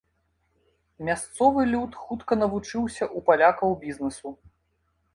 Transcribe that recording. Мясцовы люд хутка навучыўся ў палякаў бізнесу.